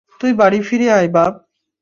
তুই বাড়ি ফিরে আয়, বাপ।